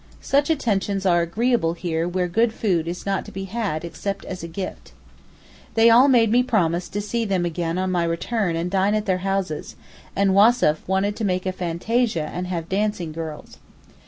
Such attentions are agreeable here where good food is not to be had except as a gift. They all made me promise to see them again on my return and dine at their houses, and Wassef wanted to make a fantasia and have dancing girls.